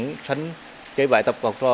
cái hệ thống chơi bài tập bằng trò